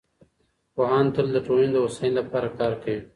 پوهان تل د ټولني د هوساینې لپاره کار کوي.